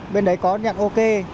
bên đấy có nhận ok